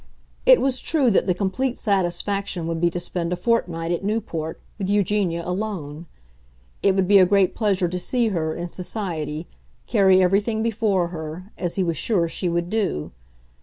It was true that the complete satisfaction would be to spend a fortnight at Newport with Eugenia alone. It would be a great pleasure to see her, in society, carry everything before her, as he was sure she would do.